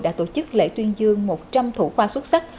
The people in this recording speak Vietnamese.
đã tổ chức lễ tuyên dương một trăm linh thủ khoa xuất sắc